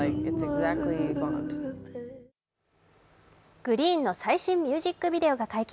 ＧＲｅｅｅｅＮの最新ミュージックビデオが解禁。